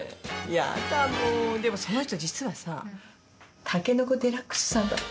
ヤダもうでもその人実はさタケノコ・デラックスさんだった。